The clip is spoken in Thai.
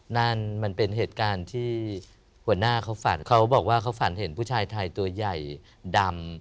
นั่นมันเป็นเหตุการณ์ที่หัวหน้าเขาฝันเขาบอกว่าเขาฝันเห็นผู้ชายไทยตัวใหญ่ดำ